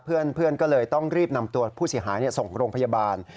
เพื่อนก็เลยต้องรีบนำตัวผู้เสียหายส่งโรงพยาบาล